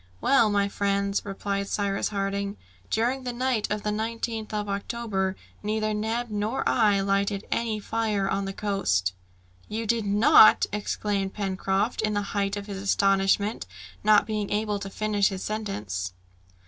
"Well, my friends," replied Cyrus Harding, "during the night of the 19th of October, neither Neb nor I lighted any fire on the coast." "You did not!" exclaimed Pencroft, in the height of his astonishment, not being able to finish his sentence.